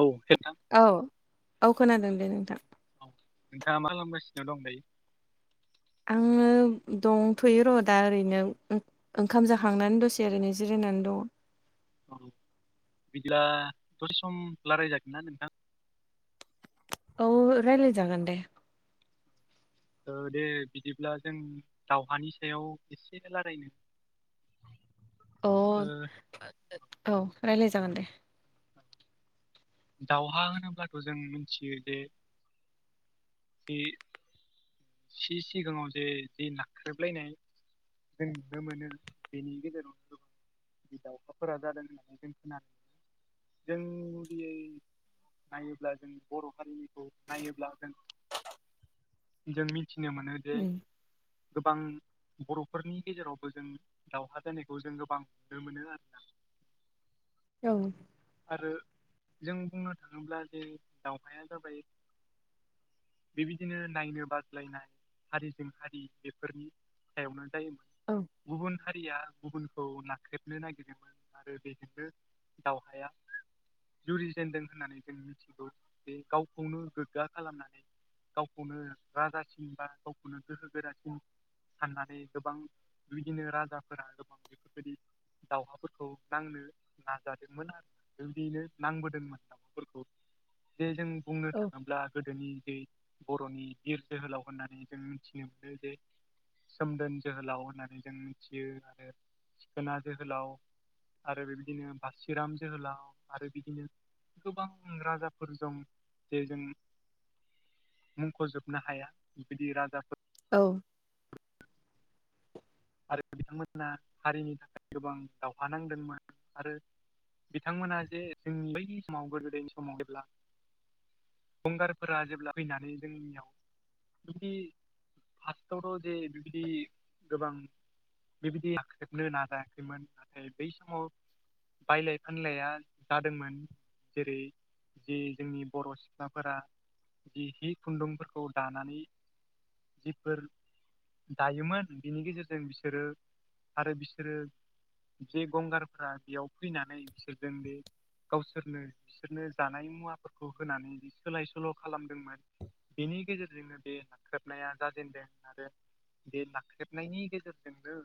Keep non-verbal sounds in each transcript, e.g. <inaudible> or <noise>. औ नोंथां औ औ खोनादों दे नोंथां औ नोंथाङा मा खालामगासिनो दं दायो? आङो दंथ'यो र' दा ओरैनो ओंखाम जाखांनानै दसेै आरो नै जिरायनानै दं। औ बिदिब्ला दसे सम लायराय जागोन ना नोंथां? औ रायल जागोन दे। दे बिदिब्ला जों दावहानि सायाव एसे रायलायनो <inaudible> अ ओ औ राय्लाय जागोन दे। औ दावहा होनोब्लाथ' जों मिथियो जे जि सि सिगाङाव जे जि नाख्रेबलायनाय जोंनो मोनो बेनि गेजेरावनो गो दाउखाफोरा जादों होननानै जों खोनादों जों गदियै नायोब्ला जों बर' हारिनिखौ नायोब्ला जों जों मिथिनो मोनो जे उम गोबां बर'फोरनि गेजेरावबो जों दाावहा दोननायखौ जों गोबां नुनो मोनो आरोना। औ आरो जों बुंनो थाङोब्ला जे दावहाया जाबाय बेबायदिनो नायनो बाज्लायनाय हारिजों हारि बेफोरनि सायावनो जायो औ गुबुन हारिया गुबुनखौ नाख्रेबनो नागिरदोंमोन आरो बेजोंनो दावहाया जुरिजेेनदों होननानै जों मिथिगौ जे गावखौनो गोग्गा खालामनानै गावखौनो राजासिन बा गावखौनो गोहो गोरासिन साननानै गोबां बिदिनो राजाफोरा गोबां बेफोरबायदि दावहाफोरखौ नांनो नाजादोंमोन आरो। बिब्दिनो नांबोदोंमोन फोरखौ जे जों बुंनो औ थाङोब्ला गोदोनि जे बर'नि बिर जोहोलाव होननानै जों मिथिनो मोनो जे सोमदोन जोहोलाव होननानै जों मिथियो आरो थिखोना जोहोलाव आरो बेबायदिनो बासिराम जोहोलाव आरो बिदिनो गोबां राजाफोर दं जे जों मुंखौजोबनो हाया बिदि राजाफोर औ आरो बिथांमोना हारिनि थाखाय गोबां दावहा नांदोंमोन आरो। बिथांमोना जे जोंनि बैदि समाव गोदो गोदायनि समाव जेब्ला गंगारफोरा जेब्ला फैनानै जोंनियाव बिदि फासटावथ जे बिदि गोबां बेबायदि <unintelligible> नाजायाखैमोन नाथाय बै समाव बायलाय फानलाया जादोंमोन जेरै जे जोंनि बर' सिख्लाफोरा जि हि खुन्दुंफोरखौ दानानै जिफोर दायोमोन बिनि गेजेरजों जों बिसोरो आरो बिसोरो जे गंगारफ्रा बेयाव फैनानै बिसोरजों बे गावसोरनो बिसोरनो जानाय मुवाफोरखौ होनानै सोलाय सोल' खालामदोंमोन बेनि गेजेरजोंनो बे नाख्रबनाया जाजेनदों आरो बे नाख्रेबनायनि गेजेर।। गेरजोंनो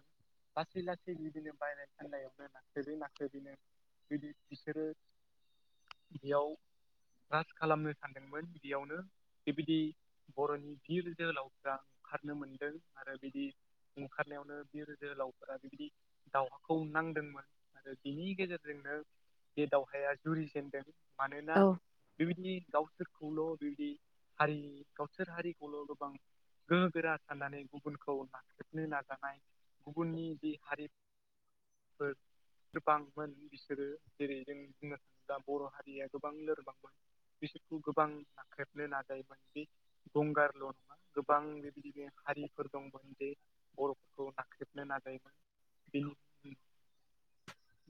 लासै लासै बिदिनो बायनाय फाननायावनो नाखोदै नाखो बिनो बि बिसोरो बेयाव राज खालामनो सानदोंमोन बिदियावनो बेबायदि बर'नि बिर जोहोलावफोरा खारनो मोनदों आरो बिदि ओंखारनायावनो बिर जोहोलावफोरा बिदि दाउहाखौ नांदोंमोन आरो बिनि गेजेरजोंनो बे दावहाया जुरिजेनदों मानोना औ बेबायदि गावसोर खौल' बिबायदि हारि गावसोर हारिखौल' गोबां गोहो गोरा साननानै गुबुनखौ <unintelligible> नो नाजानाय गुबुननि बे हारिफोर लोरबांमोन बिसोरो जेरै जों बुंनो थाङोब्ला बर' हारिया गोबां लोरबांमोन बिसोरखौ गोबां नाख्रेबनो नाजायोमोन बे गंगारल' नङा गोबां बेबायदिनो हारिफोर दंमोन जे बर'फोरखौ नाख्रेबनो नाजायोमोन बे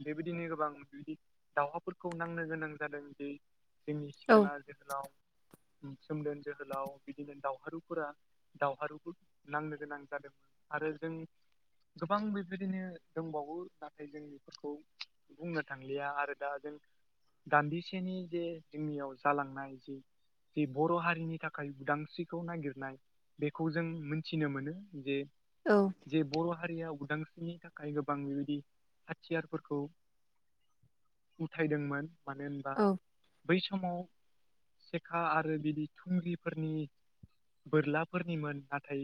बेबायदिनो गोबां बिदि दावहाफोरखौ नांनो गोनां जादों ज जोंनि औ सिखोना जोहोलाव सोमदोन जोहोलाव बिदिनो दावहारुफोरा दावहारुफोर नांनो गोनां जादोंमोन आरो जों गोबां बेबायदिनो दंबावो नाथाय जोंनि फोरखौ बुंनो थांलिया आरो दा जों दान्दिसेनि जे जोंनियाव जालांनाय जि जे बर' हारिनि थाखाय उदांस्रिखौ नागिरनाय बेखौ जों मोनथिनो मोनो जे औ जे बर' हारिया उदांस्रिनि थाखाय गोबां बेबायदि हाथियारफोरखौ उथायदोंमोन मानो होनबा औ बै समाव सेखा आरो बिदि थुंग्रिफोरनि बोरलाफोरनिमोन नाथाय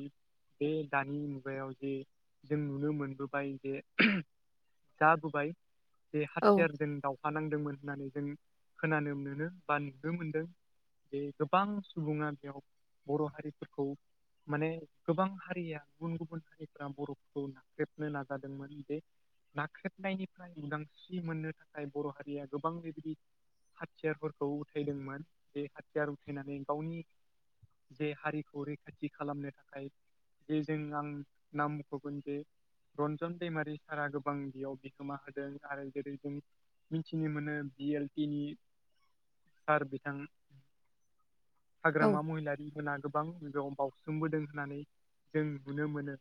बे दानि जे जों नुनो मोनबोबाय जे जाबोबाय जे औ हाथियारजों दावहा नांदोंमोन होननानै जों खोनानो मोनो बा नुनो मोनदों बे गोबां सुबुङा बेयाव बर' हारिफोरखौ माने गोबां हारिया गुबुन गुबुन हारिफोरा बर'फोरखौ नाख्रेबनो नाजादोंमोन बे नाख्रेबनायनिफ्राय उदांस्रि मोननो थाखाय बर' हारिया गोबां बेबायदि हाथियारफोरखौ उथायदोंमोन बे हाथियार उथायनानै गावनि जे हारिखौ रैखाथि खालामनो थाखाय जे जों आं नाम मख'गोन जे रन्जन दैमारि सारा गोबां बेयाव बिहोमा होदों आरो जेरै जों मिथिनो मोनो बि एल टि नि सार बिथां औ हाग्रामा महिलारि मोना गोबांआव बावसोमबोदों होननानै जों नुनो मोनो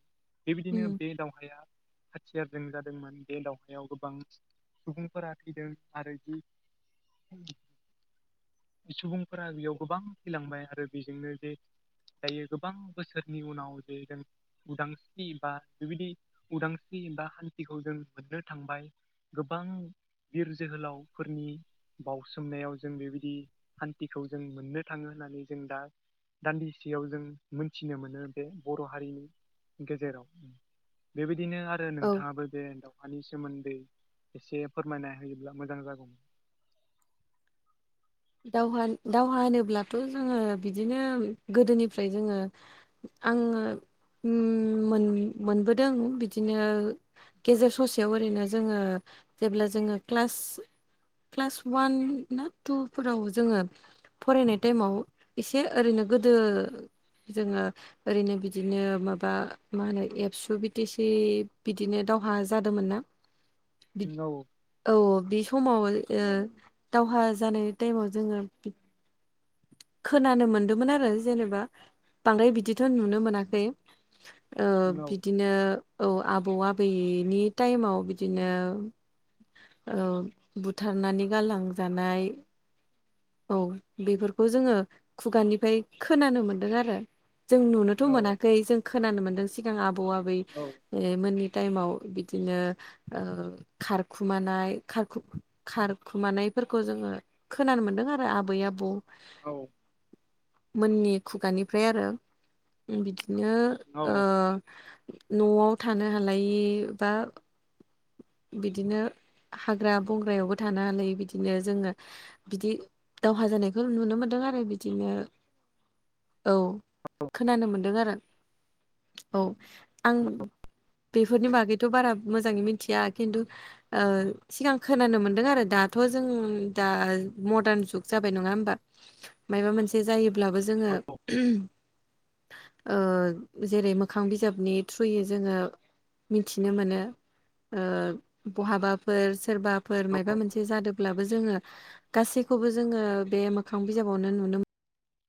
बेबायदिनो उम बे दावहाया हाथियारजों जादोंमोन बे दावहायाव गोबां सुबुंफोरा थैदों आरो जि <unintelligible> सुबुंफोरा बेयाव गोबां थैलांबाय आरो बेजोंनो बे दायो गोबां बोसोरनि उनाव जे जों उदां बा बेबायदि उदांस्रि बा हान्थिखौ जों मोननो थांबाय गोबां बिर जोहोलावफोरनि बावसोमनायाव जों बेबायदि सान्थिखौ जों मोननो थाङो होननानै जों दा दान्दिसेयाव जों मोनथिनो मोनो बे बर' हारिनि गेजेराव बेबायदिनो आरो औ नोंथाङाबो बे एन्डआव मानि सोमोन्दै एसे फोरमायना होयोब्ला मोजां जागौमोन दावहा दावहा होनोब्लाथ' जोङो बिदिनो गोदोनिफ्राय जोङो आङो मोन मोनबोदों बिदिनो गेजेर ससेयाव ओरैनो जोङो जेब्ला जोङो क्लास क्लास वान ना टु फोराव जोङो फरायनाय टाइमाव एसे ओरैनो गोदो जोङो ओरैनो बिदिनो माबा मा होनो एबसु बि टि सि बिदिनो दावहा जादोंमोन ना <inaudible> औ बे समाव ओ दावहा जानाय टाइमाव जोङो खोनानो मोनदोंमोन आरो जेनेबा बांद्राय बिदिथ' नुनो मोनाखै बिदिनो औ आबौ आबैनि टाइमाव बिदिनो औ बुथारनानै गालांजानाय औ बेफोरखौ जोङो खुगानिफ्राय खोनानो मोनदों आरो जों नुनोथ' मोनाखै जों खोनानो मोनदों सिगां आबौ आबै औ मोननि टाइमाव बिदिनो ओ खारखुमानायख खारखु खारखुमानायफोरखौ जोङो खोनानो मोनदों आरो आबै आबौ औ मोननि खुगानिफ्राय आरो बिदिनो ओ औ न'आव थानो हालायि बा बिदिनो हाग्रा बंग्रायावबो थानो हालायि बिदिनो जोङो बिदि दावहा जानायखौ नुनो मोनदों आरो बिदिनो औ खोनानो मोनदों आरो औ। आं बेफोरनि बागैथ' बारा मोजाङै मिथिया खिन्थु ओ सिगां खोनानो मोनदों आरो दाथ' जों दा मदार्न जुग जाबाय। नङा होमबा? मायबा मोनसे जायोब्लाबो जोङो औ ओ जेरै मोखां बिजाबनि थ्रुयै जोङो मिनथिनो मोनो। ओ बहाबाफोर सोरबाफोर औ मायबा मोनसे जादोब्लाबो जोङो गासैखौबो जोङो बे मोखां बिजाबावनो नुनो